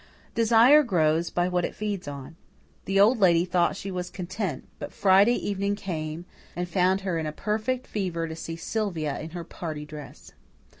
Desire grows by what it feeds on. The Old Lady thought she was content; but Friday evening came and found her in a perfect fever to see Sylvia in her party dress.